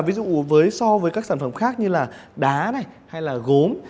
ví dụ với so với các sản phẩm khác như là đá này hay là gốm